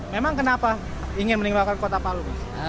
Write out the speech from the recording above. memang kenapa ingin meninggalkan kota palu